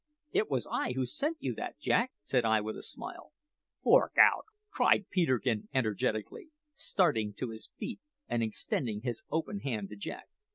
"It was I who sent you that, Jack," said I with a smile. "Fork out!" cried Peterkin energetically, starting to his feet and extending his open hand to Jack.